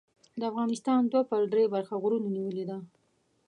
د افغانستان دوه پر درې برخه غرونو نیولې ده.